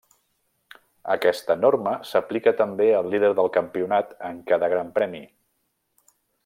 Aquesta norma s'aplica també al líder del Campionat en cada Gran Premi.